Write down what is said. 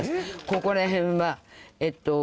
ここら辺は。